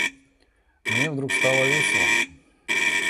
Мне вдруг стало весело!